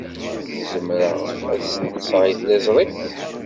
Zemreɣ ad as-sneqseɣ i tliẓri?